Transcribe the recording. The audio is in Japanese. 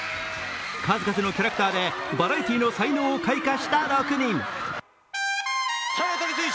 数々のキャラクターでバラエティーの才能を開花した６人。